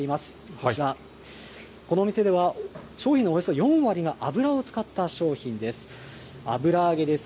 こちら、このお店では、商品のおよそ４割が油を使った商品です。